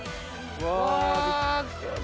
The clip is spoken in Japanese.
うわ！